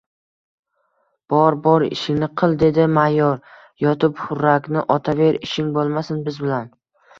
— Bor, bor, ishingni qil! — dedi mayor. — Yotib hurrakni otaver, ishing bo‘lmasin biz bilan.